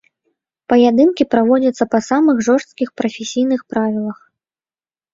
Паядынкі праводзяцца па самых жорсткіх прафесійных правілах.